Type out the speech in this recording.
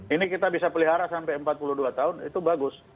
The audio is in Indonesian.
ini kita bisa pelihara sampai empat puluh dua tahun itu bagus